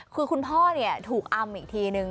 คือคุณพ่อถูกอำอีกทีนึง